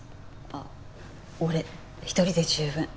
あっ俺一人で十分。